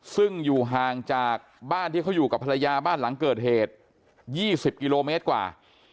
ซึ่งอยู่ห่างจากบ้านที่เขาอยู่กับภรรยาบ้านหลังเกิดเหตุ๒๐กิโลเมตรกว่า